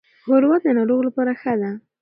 ښوروا د ناروغ لپاره ښه ده.